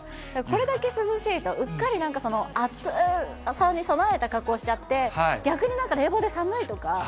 これだけ涼しいと、うっかりなんか、暑さに備えた格好しちゃって、逆になんか、冷房で寒いとか。